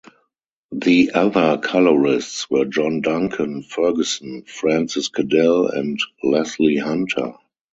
The other colourists were John Duncan Fergusson, Francis Cadell and Leslie Hunter.